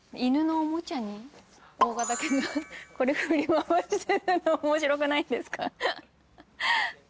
大型犬がこれ振り回してるの面白くないですか？